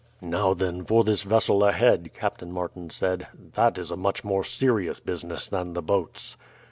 "Now then for this vessel ahead," Captain Martin said; "that is a much more serious business than the boats."